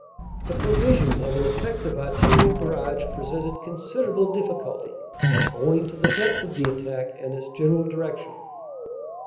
"The provision of an effective Artillery barrage presented considerable difficulty owing to the depth of the attack and its general direction.